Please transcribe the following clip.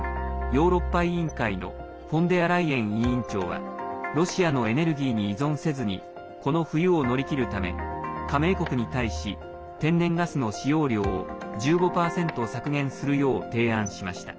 ヨーロッパ委員会のフォンデアライエン委員長はロシアのエネルギーに依存せずにこの冬を乗り切るため加盟国に対し天然ガスの使用量を１５％削減するよう提案しました。